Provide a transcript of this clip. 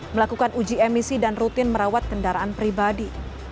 melakukan uji emisi dan rutin merawat kendaraan pribadi